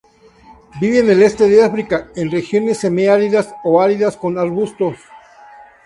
Vive en el este de África, en regiones semiáridas o áridas con arbustos.